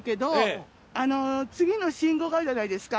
次の信号があるじゃないですか。